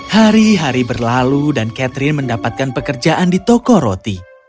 hari hari berlalu dan catherine mendapatkan pekerjaan di toko roti